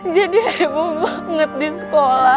jadi heboh banget di sekolah